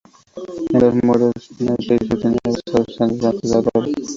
En los muros norte y sur tenía adosados sendos bancos de adobe.